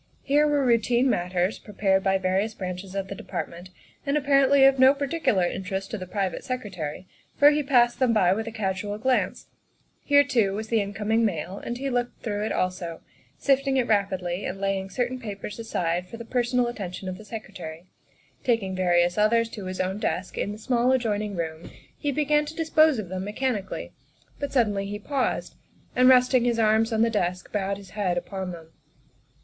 Here were routine matters prepared by various branches of the Department and apparently of no particular interest to the private secretary, for he passed them by with a casual glance; here too was the incoming mail, and he looked through it also, sifting it rapidly and laying certain papers aside for the per sonal attention of the Secretary; taking various others THE SECRETARY OF STATE 69 to his own desk in the small adjoining room he began to dispose of them mechanically, but suddenly he paused, and resting his arms on the desk bowed his head upon them.